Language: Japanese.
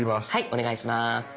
お願いします。